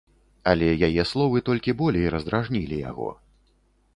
Але яе словы толькі болей раздражнілі яго.